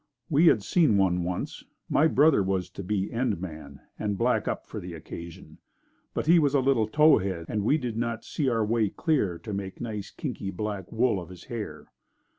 We had seen one once. My brother was to be end man and black up for the occasion. But he was a little tow head and we did not see our way clear to make nice kinky black wool of his hair.